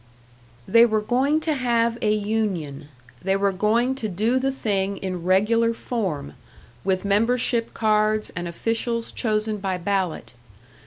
They were going to have a union; they were going to do the thing in regular form, with membership cards and officials chosen by ballot.